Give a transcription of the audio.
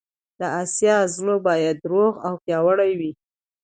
د اسیا زړه باید روغ او پیاوړی وي.